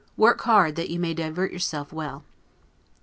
Work hard, that you may divert yourself well.